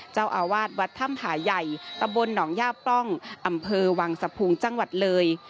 เจ้าอาวาสวัดถ้ำผาใหญ่ตำบลหนองย่าปล้องอำเภอวังสะพุงจังหวัดเลย